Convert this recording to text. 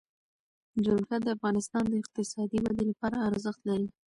جلګه د افغانستان د اقتصادي ودې لپاره ارزښت لري.